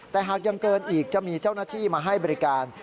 แต่หากยังเกินอีกจะมีเจ้าหน้าที่มาให้บริการ